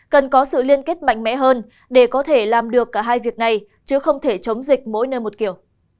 cần có sự liên kết mạnh mẽ hơn để có thể làm được cả hai việc này chứ không thể chống dịch mỗi nơi một kiểu